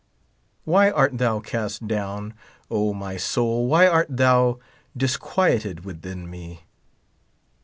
Wh}' art thou cast down, Omy soul, why art thou dis quieted within me